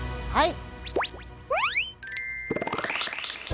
はい。